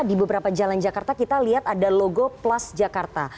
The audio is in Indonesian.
di beberapa jalan jakarta kita lihat ada logo plus jakarta